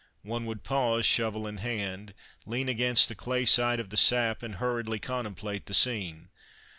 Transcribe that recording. One would pause, shovel in hand, lean against the clay side of the sap, and hurriedly contemplate the scene.